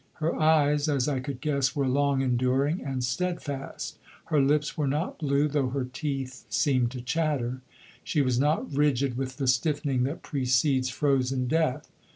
Her eyes, as I could guess, were long enduring and steadfast. Her lips were not blue, though her teeth seemed to chatter; she was not rigid with the stiffening that precedes frozen death.